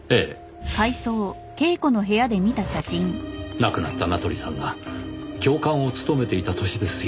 亡くなった名取さんが教官を務めていた年ですよ。